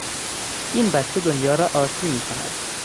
این بچه دنیا را عاصی میکند!